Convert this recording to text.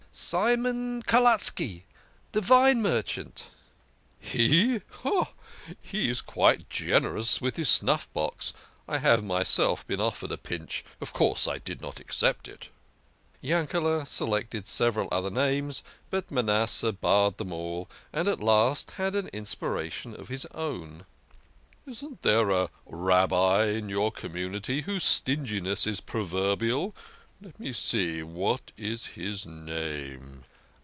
"Simon Kelutski, de vine merchant." " He ! He is quite generous with his snuff box. I have myself been offered a pinch. Of course I did not accept it." Yankele selected several other names, but Manasseh 82 THE KING OF SCHNORRERS. barred them all, and at last had an inspiration of his own. " Isn't there a Rabbi in your community whose stinginess is proverbial? Let me see, what's his name?